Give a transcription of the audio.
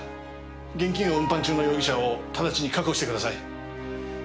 現金を運搬中の容疑者を直ちに確保してください。